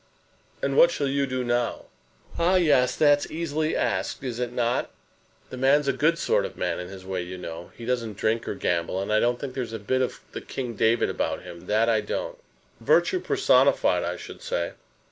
'" "And what shall you do now?" "Ah, yes; that's easily asked; is it not? The man's a good sort of man in his way, you know. He doesn't drink or gamble; and I don't think there is a bit of the King David about him, that I don't." "Virtue personified, I should say."